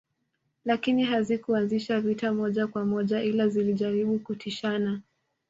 Lakini hazikuanzisha vita moja kwa moja ila zilijaribu kutishana